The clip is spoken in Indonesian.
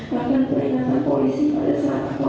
bahkan peringatan polisi pada saat awal